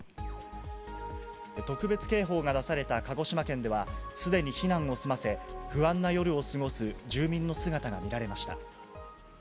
特別警報が出された鹿児島県では、すでに避難を済ませ、不安な夜を過ごす住民の姿が見られました。